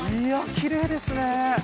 きれいですね。